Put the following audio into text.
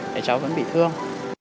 thì cháu vẫn bị thương